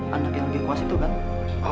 tau ada yang lagi kuas itu kan